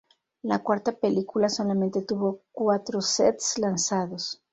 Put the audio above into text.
La cuarta película solamente tuvo cuatro sets lanzados.